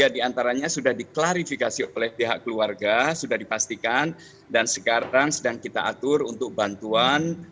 tiga diantaranya sudah diklarifikasi oleh pihak keluarga sudah dipastikan dan sekarang sedang kita atur untuk bantuan